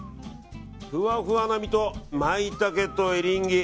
ふわふわな身とマイタケとエリンギ。